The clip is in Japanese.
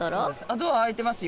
ドア開いてますよ。